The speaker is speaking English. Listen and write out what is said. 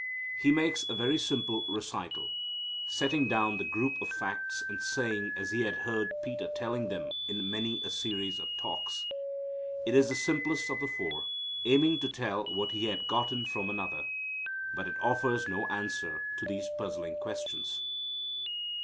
He makes a very simple recital, setting down the group of facts and sayings as He had heard Peter telling them in many a series of talks. It is the simplest of the four, aiming to tell what he had gotten from another. But it offers no answer to these puzzling questions.